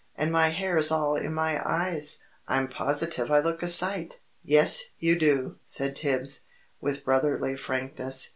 "And my hair's all in my eyes! I'm positive I look a sight!" "Yes, you do!" said Tibbs, with brotherly frankness.